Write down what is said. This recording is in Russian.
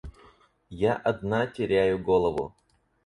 Я одна теряю голову.